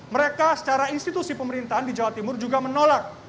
mereka secara institusi pemerintahan di jawa timur juga menolak